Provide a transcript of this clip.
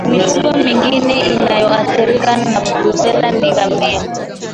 Mifugo mingine inayoathirika na Brusela ni ngamia